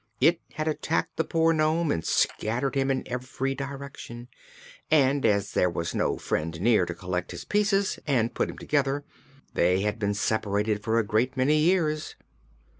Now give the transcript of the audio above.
It had attacked the poor nome and scattered him in every direction, and as there was no friend near to collect his pieces and put him together, they had been separated for a great many years.